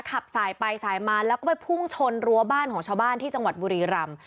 ขับสายไปสายมาแล้วก็ไปพุ่งชนรั้วบ้านของชาวบ้านที่จังหวัดบุรีรำ